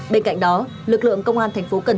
bên cạnh đó lực lượng công an thành phố hồ chí minh